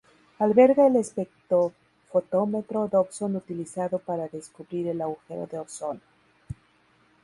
Alberga el espectrofotómetro Dobson utilizado para descubrir el agujero de ozono.